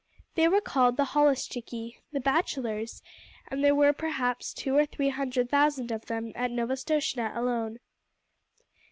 They were called the holluschickie the bachelors and there were perhaps two or three hundred thousand of them at Novastoshnah alone.